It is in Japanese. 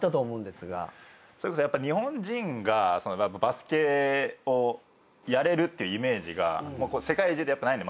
それこそ日本人がバスケをやれるってイメージが世界中でやっぱないんで。